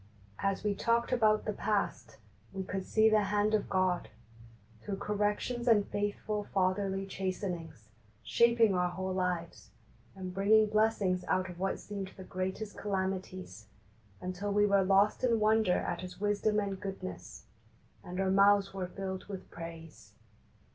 As we talked about the past we could see the hand of God, through corrections and faithful Fatherly chastenings, shaping our whole lives, and bringing blessings out of what seeined the greatest calamities, until we were lost in wonder at His wisdom and goodness, and our mouths were filled with praise.